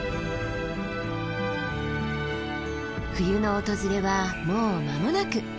冬の訪れはもう間もなく。